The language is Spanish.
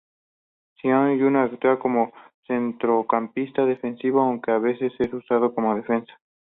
Simão Junior actúa de centrocampista defensivo, aunque a veces es usado como defensa.